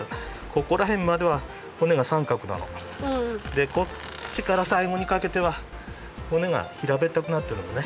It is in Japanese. でこっちからさいごにかけては骨がひらべったくなってるのね。